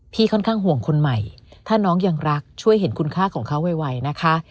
ค่อนข้างห่วงคนใหม่ถ้าน้องยังรักช่วยเห็นคุณค่าของเขาไวนะคะ